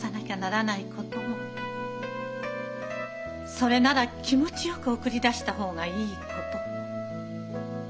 それなら気持ちよく送り出した方がいいことも。